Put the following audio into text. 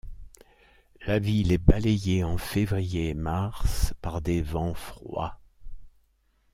La ville est balayée en février et mars par des vents froids.